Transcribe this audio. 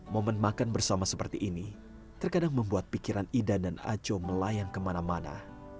momen makan bersama seperti ini terkadang membuat pikiran ida dan aco melayang kemana mana